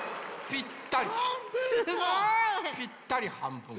ぴったりはんぶん。